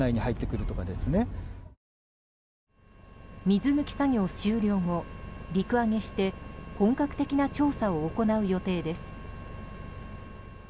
水抜き作業終了後、陸揚げして本格的な調査を行う予定です。